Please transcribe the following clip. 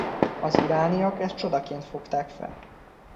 Az irániak ezt csodaként fogták fel.